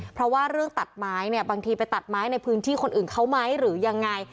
เพราะว่าเรื่องตัดไม้เนี่ยบางทีไปตัดไม้ในพื้นที่คนอื่นเขาไหมหรือยังไง